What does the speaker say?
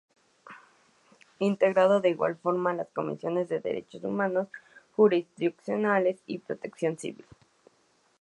Integrando de igual forma, las Comisiones de Derechos Humanos, Jurisdiccional y Protección Civil.